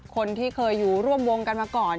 คนที่เคยอยู่ร่วมวงกันมาก่อน